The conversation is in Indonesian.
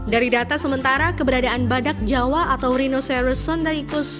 dari data sementara keberadaan badak jawa atau rhinoceros sondaicus